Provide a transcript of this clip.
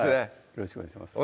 よろしくお願いします